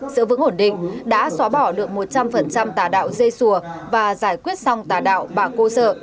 giữ vững ổn định đã xóa bỏ được một trăm linh tà đạo dây xùa và giải quyết xong tà đạo bạc cố sở